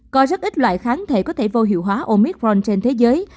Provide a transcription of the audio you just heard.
có rất ít loại kháng thể có thể vô hiệu hóa omicron trên thế giới